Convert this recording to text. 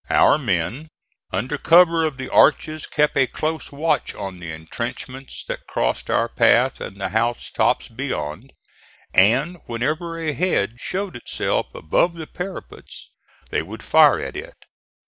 Our men under cover of the arches kept a close watch on the intrenchments that crossed our path and the house tops beyond, and whenever a head showed itself above the parapets they would fire at it.